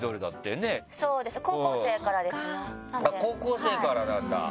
高校生からなんだ。